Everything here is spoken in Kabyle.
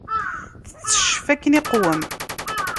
Tetteccef akken iqwem.